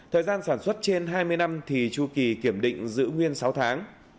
thời gian sản xuất trên hai mươi năm thì chu kỳ kiểm định giữ nguyên sáu tháng